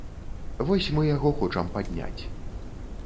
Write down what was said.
Вось мы яго хочам падняць.